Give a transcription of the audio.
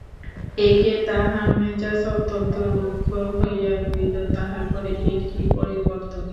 একে তাহার মেজাজ অত্যন্ত রুক্ষ হইয়া রহিল, তাহার পরে এ কী পরিবর্তন।